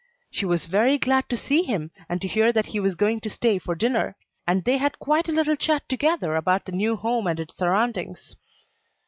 She was very glad to see him, and to hear that he was going to stay to dinner; and they had quite a little chat together about the new home and its surroundings.